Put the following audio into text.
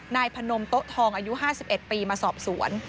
นายพนมโต๊ะทองอายุ๕๑ปีมาสอบสวน